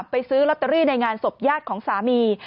ซื้อลอตเตอรี่ในงานศพญาติของสามี